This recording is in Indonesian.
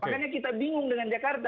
makanya kita bingung dengan jakarta